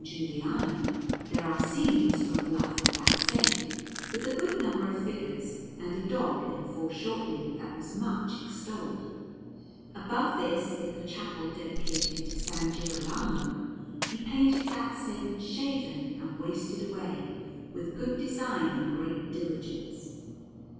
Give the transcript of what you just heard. Giuliano, there are scenes from the life of that Saint, with a good number of figures, and a dog in foreshortening that was much extolled. Above this, in the chapel dedicated to S. Girolamo, he painted that Saint shaven and wasted away, with good design and great diligence.